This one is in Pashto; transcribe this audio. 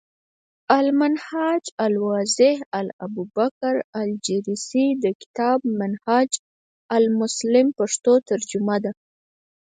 المنهاج الواضح، د الابوبکرالجريسي د کتاب “منهاج المسلم ” پښتو ترجمه ده ۔